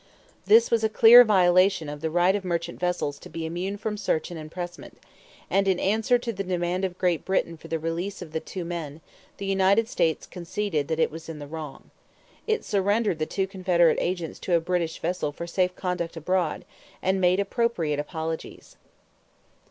This was a clear violation of the right of merchant vessels to be immune from search and impressment; and, in answer to the demand of Great Britain for the release of the two men, the United States conceded that it was in the wrong. It surrendered the two Confederate agents to a British vessel for safe conduct abroad, and made appropriate apologies.